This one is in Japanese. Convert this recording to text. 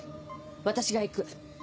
私が行く。